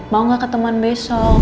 mau gak ketemuan besok